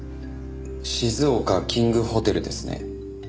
静岡キングホテルですね？